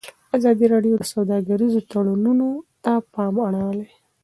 ازادي راډیو د سوداګریز تړونونه ته پام اړولی.